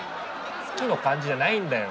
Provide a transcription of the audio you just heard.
好きの感じじゃないんだよ！